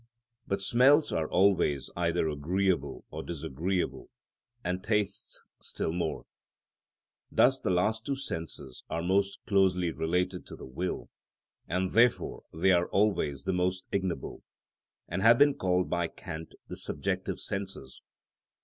But smells are always either agreeable or disagreeable, and tastes still more so. Thus the last two senses are most closely related to the will, and therefore they are always the most ignoble, and have been called by Kant the subjective senses.